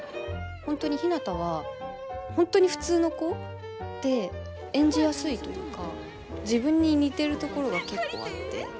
本当にひなたは本当に普通の子で演じやすいというか自分に似てるところが結構あって。